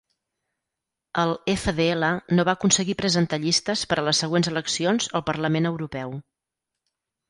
El FdL no va aconseguir presentar llistes per a les següents eleccions al Parlament Europeu.